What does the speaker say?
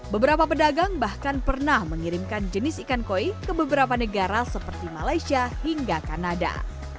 beberapa pedagang bahkan pernah mengirimkan jenis ikan koi ke beberapa negara seperti malaysia hingga kanada